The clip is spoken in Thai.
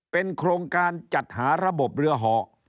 เป็นโครงการจัดหาระบบเรือห่อ